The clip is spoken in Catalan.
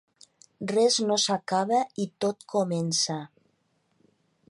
Res no s’acaba i tot comença.